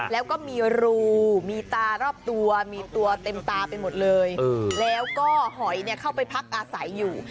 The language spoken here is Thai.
แล้วก็มีรูมีตารอบตัวมีตัวเต็มตาไปหมดเลยแล้วก็หอยเข้าไปพักอาศัยอยู่